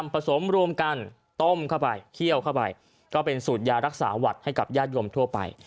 สมรวมกันต้มเข้าไปเคี่ยวเข้าไปก็เป็นสูตรยารักษาหวัดให้กับญาติโยมทั่วไป